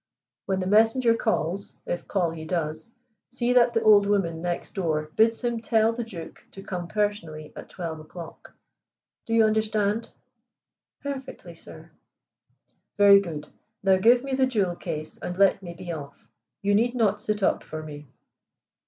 When the messenger calls, if call he does, see that the old woman next door bids him tell the Duke to come personally at twelve o'clock. Do you understand?" "Perfectly, sir." "Very good. Now give me the jewel case, and let me be off. You need not sit up for me."